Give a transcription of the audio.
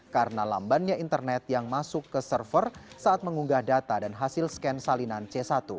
karena lambannya internet yang masuk ke server saat mengunggah data dan hasil skan salinan c satu